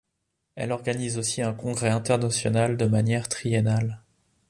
Elle organise aussi un congrès international de manière triennale.